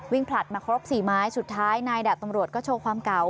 ผลัดมาครบ๔ไม้สุดท้ายนายดับตำรวจก็โชว์ความเก่า